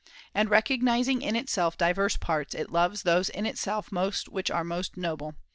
And recognising in itself divers parts, it loves those in itself most which are most noble.